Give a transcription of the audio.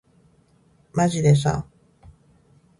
まじでさ